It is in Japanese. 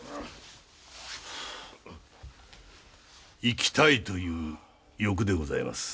生きたいという欲でございます。